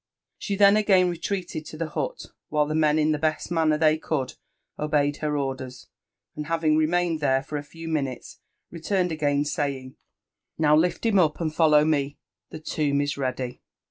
She then again retreated to the hut, while the men in the best man ner Ihey could obeyed her orders; and having remained there for a few minutes, returned again, saying, " Now lift him up and follow me. The tomb is ready."